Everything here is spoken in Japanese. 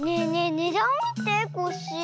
ねだんをみてコッシー。